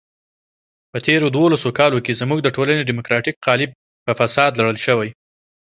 په تېرو دولسو کالو کې زموږ د ټولنې دیموکراتیک قالب په فساد لړل شوی.